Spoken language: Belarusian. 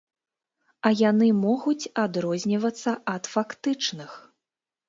А яны могуць адрознівацца ад фактычных!